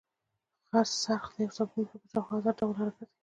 څرخ د یوه ثابت محور په شاوخوا ازاد ډول حرکت کوي.